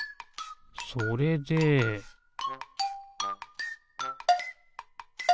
それでピッ！